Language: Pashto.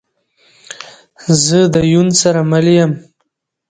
زه ده یون سره مل یم